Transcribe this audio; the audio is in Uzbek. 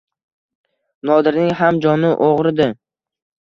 Nodirning ham joni og‘ridi.